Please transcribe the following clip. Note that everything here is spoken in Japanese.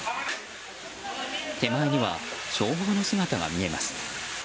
手前には消防の姿が見えます。